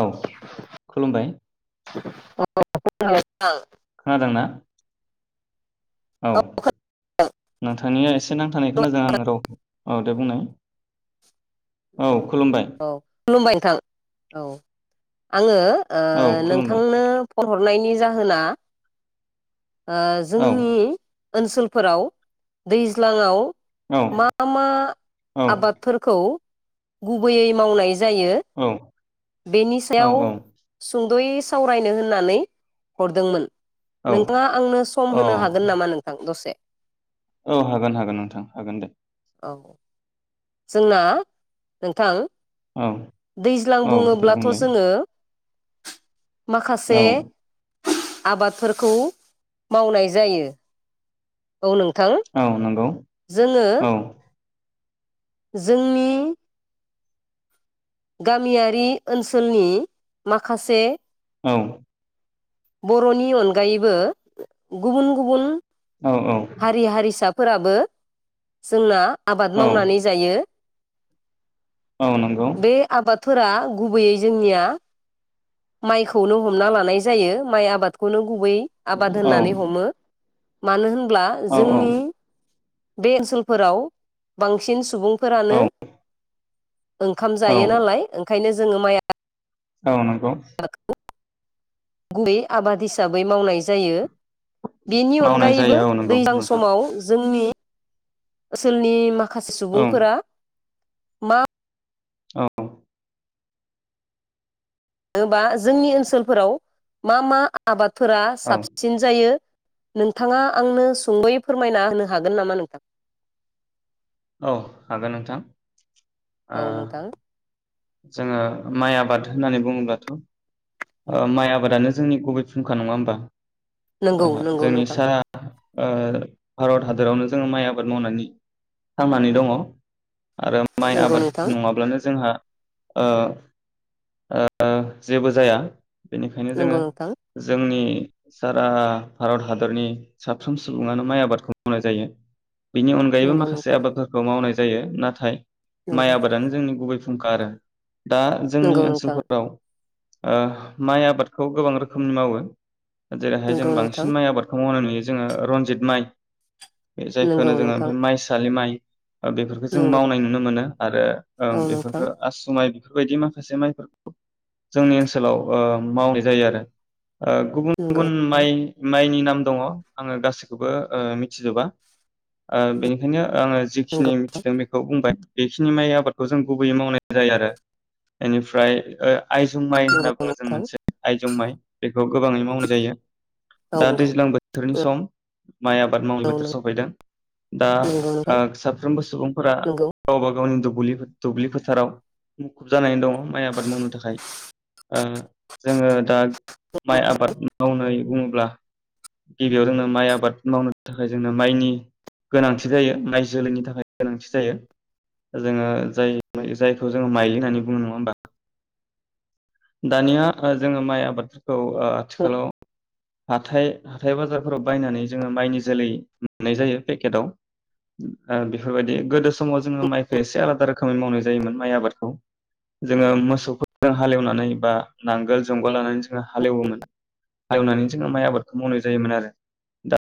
औ खुलुमबाय [unintelligible] खोनादों ना औ नोंथांनिया एसे नांथानाय खोनादों आङो रावखौ औ दे बुंनाय औ खुलुमबाय औ खुलुमबाय नोंथां औ आङो औ खुलुमबाय नोंथांनो फन हरनायनि जाहोना ओ औ जोंनि ओनसोलफोराव दैज्लाङाव औ मा मा औ आबादफोरखौ गुबैयै मावनाय जायो औ बेनि सायाव औ सुंद'यै सावरायनो होननानै हरदोंमोन औ नोंथाङा आंनो सम औ होनो हागोन नामा नोंथां दसे औ हागोन हागोन नोंथां हागोन दे औ जोंना नोंथां औ दैज्लां औ दे बुङोब्लाथ' बुंलाय जोङो औ माखासे आबादफोरखौ मावनाय जायो औ नोंथां औ नंगौ जोङो औ जोंनि गामियारि ओनसोलनि माखासे औ बर'नि अनगायैबो गुबुन गुबुन औ हारि हारि सा फोराबो जोंना आबाद औ मावनानै जायो। औ नंगौ फोरा गुबैयै जोंनिया माइखौनो हमना लानाय जायो माइ आबादखौनो गुबै आबाद औ होननानै हमो मानो होन ब्ला औ जोंनि बे ओनसोलफोराव बांसिन सुबुं फोरानो ओंखाम औ जायो नालाय ओंखायनो जोङो माइ आ [unintelligible] औ नोंगौ गुबैयै आबाद हिसाबै मावनाय जायो। बेनि मावनाय अनगायैबो जायो औ नंगौ दैज्लां नोंथां समाव जोंनि ओसोलनि मा खासे औ सुबुंफोरा मा औ होनोबा जोंनि ओनसोलफोराव मा मा आबाद फोरा साबसिन जायो। नोंथाङा आंनो सुंदयै फोरमायना होनो हागोन नामा नोंथां? औ हागोन नोंथां। ओ औ नोंथां जोङो माइ आबाद होननानै बुङोब्लाथ' ओ माइ आबादानो जोंनि गुबै फुंखा नङा होमबा? ओ नोंगौ नोंगौ जोंनि नोंथां सारा ओ भारत हादरावनो जोङो माइ आबाद मावनानै थांनानै दङ। आरो माइ नंगौ आबाद नोंथां नङाब्लानो जोंहा ओ ओ जेबो जाया। बेनिखायनो नंगौ जोङो नोंथां जोंनि सारा भारत हादरनि साफ्रोम सुबुङानो माइ आबादखौ मावनाय जायो। बेनि अनगायैबो नंगौ माखासे नोंथां आबादफोरखौ मावनाय जायो नाथाय माइ नंगौ आबादानो जोंनि गुबै फुंखा आरो दा जोंनि नंगौ नोंथां ओनसोलफोराव ओ माइ आबादखौ गोबां रोखोमनि मावो जेरैहाय जों नंगौ नोंथां बांसिन माइ आबादखौ मावनाय नुयो जोङो रनजित माइ बे जायखौ नंगौ जोङो नोंथां ओमफाय माइसालि माइ ओ बेफोरखौ जों नंगौ मावनाय नुनो मोनो आरो औ ओं नोंथां बेफोरखौ आस माइ बेफोरबायदि माखासे माइफोरखौ जोंनि ओनसोलाव ओ मावनाय जायो आरो ओ गुबुन नंगौ गुबुन नोंथां माइनि नाम म दङ आङो गासैखौबो ओ मिथिजोबा ओ बेनिखायनो आङो जिखिनि नंगौ मिथिदों बेखौ बुंबाय बेखिनि माइ आबादखौ जों गुबै मावनाय। जायो आरो बेनिफ्रा ओ। आइजं माइ होनना नंगौ बुङो जों नोंथां मोनसे आयजं माइ बे। बेखौ गोबाङै मावनाय जायो। औ दा नंगौ दैज्लां बोथोरनि सम माइ आबाद मावनाय औ बोथोर सफायदों दा नंगौ नोंथां ओ साफ्रोमबो सुबुंफोरा नंगौ गावबा गावनि दुख दुलि दुब्लि फोथाराव। मुखुब जानानै दङ माइ आबाद मावनो थाखाय ओ जोङो दा माइ आबाद मावनानै बुङोब्ला गिबियाव जोंनो माइ आबाद मावनो थाखाय जोंनो माइनि गोनांथि जायो माइ जोलैनि थाखाय गोनांथि जायो जोङो जाय जाय थ' जोङो मायलि होननानै बुङो नङा होमबा। दानिया ओ जोङो माइ आबाद ओ आथिखालाव हाथाय हाथाय बाजारफोराव बायनानै जोङो माइनि जोलै मोननाय जायो पेकेदाव ओ बेफोरबायदि गोदो समाव जोङ माइखौसे आलादा रोखोमै मावनाय जायोमोन माग आबादखौ जोङो मोसौफोरजों हालेवनानै बा नांगोल जंगाल लानानै जोङो हालेवोमोन हालेवनानै जोङो माइ आबादखौ मावनाय जायोमोन आरो दा